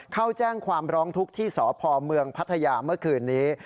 เข้าแจ้งความร้องทุกข์ที่สพเมืองพัทยาเมื่อคืนนี้